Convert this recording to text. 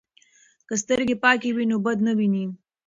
که سترګې پاکې وي نو بد نه ویني.